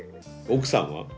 奥さんは？